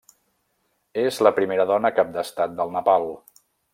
És la primera dona cap d'Estat del Nepal.